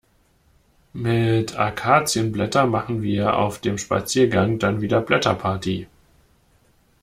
Mit Akazienblätter machen wir auf dem Spaziergang dann wieder Blätterparty.